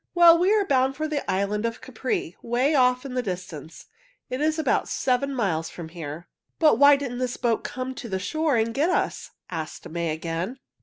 "Well, we are bound for the island of Capri, away off in the distance. It is about seven miles from here." "But why didn't this boat come to the shore and get us?" asked May again.